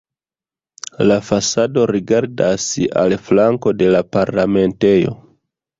La fasado rigardas al flanko de la Parlamentejo.